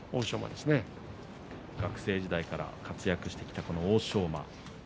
学生時代から活躍してきた欧勝馬。